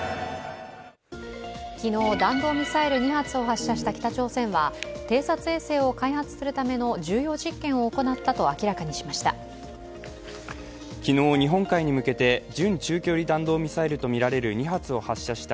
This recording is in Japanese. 昨日、弾道ミサイル２発を発射した北朝鮮は、偵察衛星を開発するための重要実験を行ったと明らかにしました。